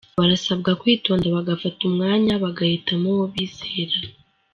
Barasabwa kwitonda bagafata umwanya bagahitamo uwo bizera.